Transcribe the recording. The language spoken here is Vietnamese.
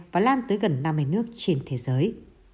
và lan tới gần năm mươi nước trên thế giới